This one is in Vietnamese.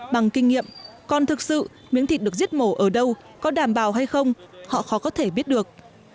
bằng kinh nghiệm còn thực sự miếng thịt được giết mổ ở đâu có đảm bảo hay không họ khó có thể biết được